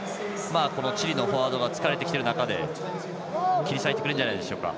チリのフォワードが疲れている中切り裂いてくれるんじゃないでしょうか。